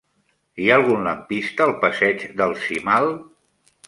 Hi ha algun lampista al passeig del Cimal?